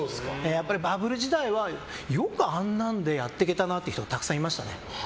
バブル時代は、よくあんなんでやっていけたなって人がたくさんいましたね。